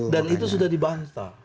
dan itu sudah dibantah